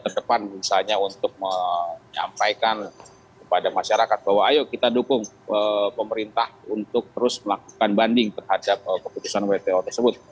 terdepan misalnya untuk menyampaikan kepada masyarakat bahwa ayo kita dukung pemerintah untuk terus melakukan banding terhadap keputusan wto tersebut